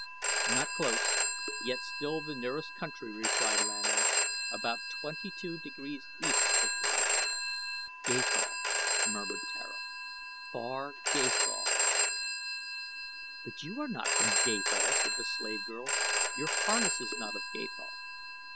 "Not close, yet still the nearest country," replied Lan O. "About twenty two degrees* east, it lies." * Approximately 814 Earth Miles. "Gathol!" murmured Tara, "Far Gathol!" "But you are not from Gathol," said the slave girl; "your harness is not of Gathol."